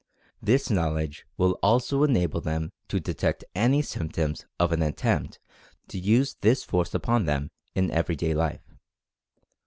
This knowledge will also enable them to detect any symptoms of an at tempt to use this force upon them in everyday life.